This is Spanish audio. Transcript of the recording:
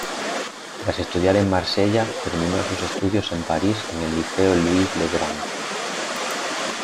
Tras estudiar en Marsella, terminó sus estudios en París en el Liceo Louis-le-Grand.